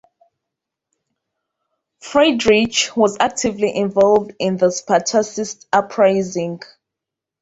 Friedrich was actively involved in the Spartacist uprising.